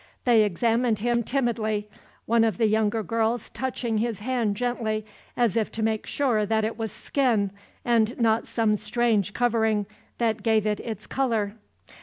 They examined him timidly, one of the younger girls touching his hand gently, as if to make sure that it was skin, and not some strange covering, that gave it its color.